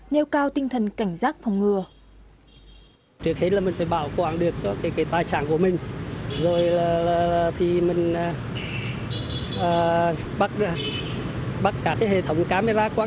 nêu cao tinh thần cảnh giác phòng ngừa